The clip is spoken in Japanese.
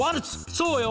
そうよ